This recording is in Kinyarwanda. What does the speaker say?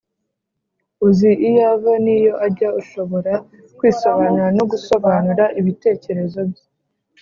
uzi iyo ava n'iyo ajya, ushobora kwisobanura no gusobanura ibitekerezo bye.